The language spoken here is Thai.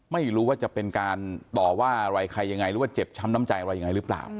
ไม่รู้ว่าจะเป็นการต่อว่าอะไรใครยังไงหรือว่าเจ็บช้ำน้ำใจอะไรยังไงหรือเปล่า